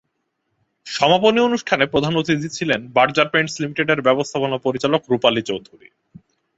সমাপনী অনুষ্ঠানে প্রধান অতিথি ছিলেন বার্জার পেইন্টস লিমিটেডের ব্যবস্থাপনা পরিচালক রুপালি চৌধুরী।